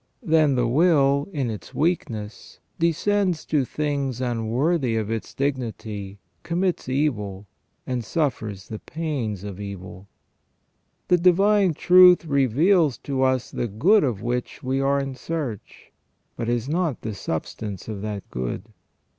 Then the will, in its weakness, descends to things unworthy of its dignity, commits evil, and suffers the pains of evil. The divine truth reveals to us the good of which we are in search, but is not the substance of that good.